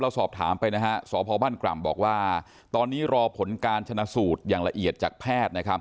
สอบถามไปนะฮะสพบ้านกร่ำบอกว่าตอนนี้รอผลการชนะสูตรอย่างละเอียดจากแพทย์นะครับ